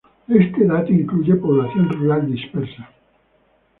Este dato incluye población rural dispersa.